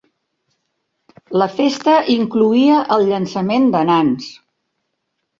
La festa incloïa el llançament de nans.